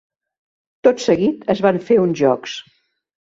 Tot seguit es van fer uns jocs.